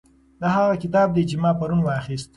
دا هغه کتاب دی چې ما پرون واخیست.